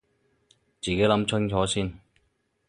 自己諗清楚先